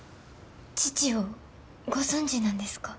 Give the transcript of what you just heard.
父をご存じなんですか？